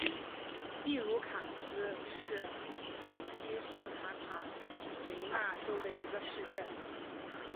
蒂茹卡斯是巴西圣卡塔琳娜州的一个市镇。